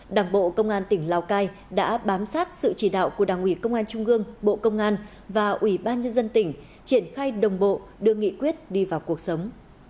đảng bộ công an tỉnh lào cai đã bám sát sự chỉ đạo của đảng ủy công an trung gương bộ công an và ủy ban nhân dân tỉnh triển khai đồng bộ đưa nghị quyết đi vào cuộc sống